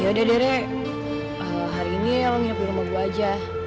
yaudah deh rek hari ini lo nginep di rumah gua aja